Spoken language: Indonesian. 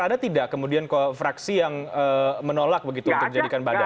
ada tidak kemudian fraksi yang menolak begitu untuk dijadikan badan